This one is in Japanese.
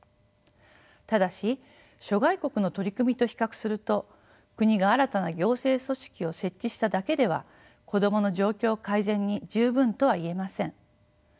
ただし諸外国の取り組みと比較すると国が新たな行政組織を設置しただけでは子どもの状況改善に十分とはいえません。